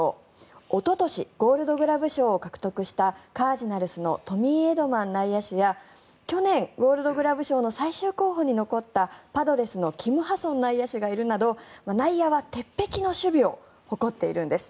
おととしゴールドグラブ賞を獲得したカージナルスのトミー・エドマン内野手や去年、ゴールドグラブ賞の最終候補に残ったパドレスのキム・ハソン内野手がいるなど内野は鉄壁の守備を誇っているんです。